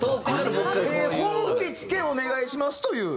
本振付お願いしますという？